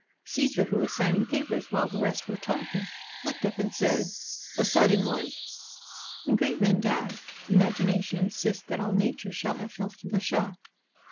Caesar, who was signing papers while the rest were talking, looked up and said, "A sud den one." When great men die, imagination insists that all nature shall have felt the shock.